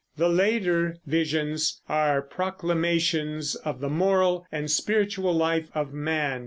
The later visions are proclamations of the moral and spiritual life of man.